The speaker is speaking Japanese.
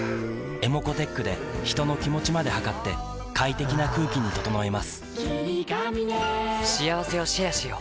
ｅｍｏｃｏーｔｅｃｈで人の気持ちまで測って快適な空気に整えます